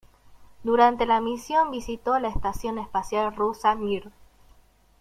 Durante la misión visitó la estación espacial rusa Mir.